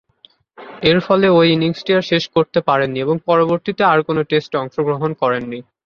এরফলে ঐ ইনিংসটি আর শেষ করতে পারেননি ও পরবর্তীতে আর কোন টেস্টে অংশগ্রহণ করেননি।